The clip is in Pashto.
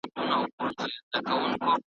اوبه مو ګرمي دي په لاس کي مو ډوډۍ سړه ده .